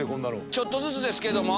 ちょっとずつですけども。